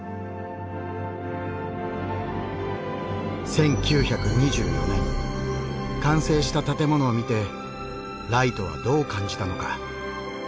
１９２４年完成した建物を見てライトはどう感じたのか。